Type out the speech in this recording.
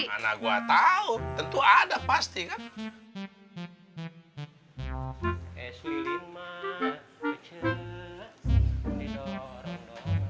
anak gua tahu tentu ada pasti kan